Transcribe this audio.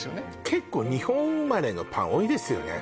結構日本生まれのパン多いですよね